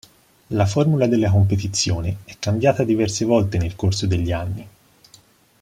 La formula della competizione è cambiata diverse volte nel corso degli anni.